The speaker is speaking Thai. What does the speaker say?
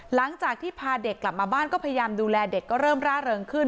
หลังจากที่พาเด็กกลับมาบ้านก็พยายามดูแลเด็กก็เริ่มร่าเริงขึ้น